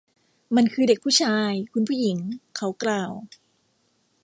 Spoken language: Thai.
มันคือเด็กผู้ชาย คุณผู้หญิง เขากล่าว